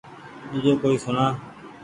ۮوجو ڪوئي سوڻآ